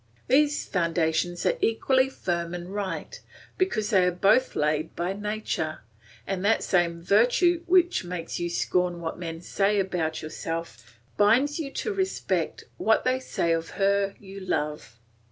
These foundations are equally firm and right, because they are both laid by nature, and that same virtue which makes you scorn what men say about yourself, binds you to respect what they say of her you love.